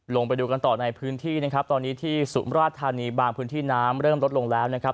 ลงไปดูกันต่อในพื้นที่นะครับตอนนี้ที่สุมราชธานีบางพื้นที่น้ำเริ่มลดลงแล้วนะครับ